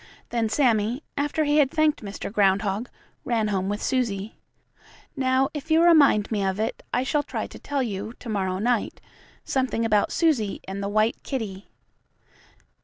Then Sammie, after he had thanked Mr. Groundhog, ran home with Susie. Now if you remind me of it, I shall try to tell you, to morrow night, something about Susie and the white kittie.